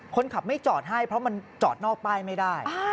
คนขับไม่จอดให้เพราะมันจอดนอกป้ายไม่ได้